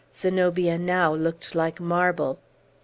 Zenobia now looked like marble.